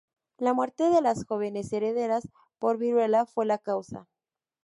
La muerte de las jóvenes herederas por viruela fue la causa.